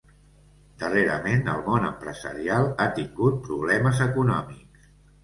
Darrerament, el món empresarial ha tingut problemes econòmics.